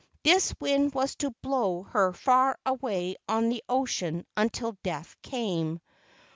This wind was to blow her far away on the ocean until death came.